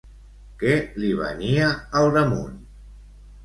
Què li venia al damunt?